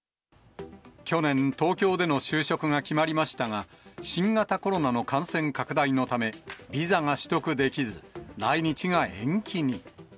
去年、東京での就職が決まりましたが、新型コロナの感染拡大のため、ビザが取得できず、来日が延期に。